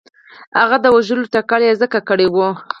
هغه د وژلو تکل یې ځکه کړی وو.